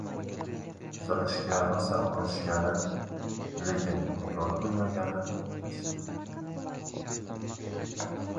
tuzatishga rosa urinishgani, lekin imkoni boʻlmaganini aytishdi